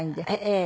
ええ。